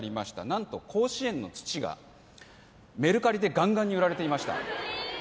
何と甲子園の土がメルカリでガンガンに売られていました